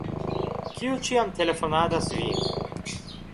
Kiu ĉiam telefonadas vin?